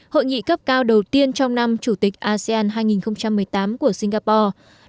hội nghị cấp cao đầu tiên trong năm chủ tịch asean hai nghìn một mươi tám của singapore